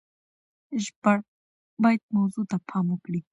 ژباړن بايد موضوع ته پام وکړي.